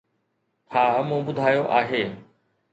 ھا مون ٻُڌايو آھي.